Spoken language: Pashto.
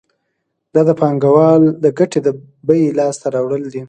دا د پانګوال د ګټې د بیې لاس ته راوړل دي